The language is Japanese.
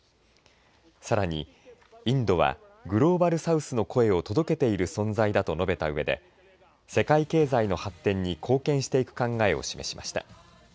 さらにインドはグローバル・サウスの声を届けている存在だと述べたうえで世界経済の発展に貢献していく考えを示しました。